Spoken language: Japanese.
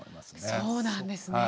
そうなんですねえ。